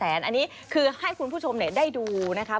อันนี้คือให้คุณผู้ชมได้ดูนะคะ